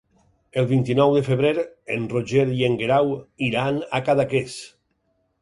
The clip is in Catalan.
El vint-i-nou de febrer en Roger i en Guerau iran a Cadaqués.